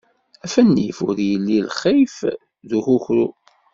Af nnif ur illi lxif d ukukru.